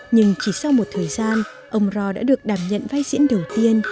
nhưng chỉ sau một thời gian ông ro đã được đảm nhận vai diễn đầu tiên